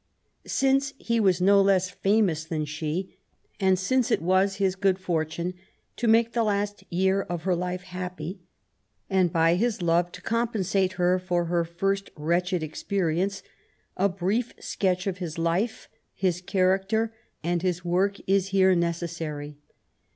Since he was no less famoas than she, and since it was his good fortune to make the last year of her life happy^ and by his love to compen* sate her for her first wretched experience, a brief sketch of his life, his character^ and his work is here necessary.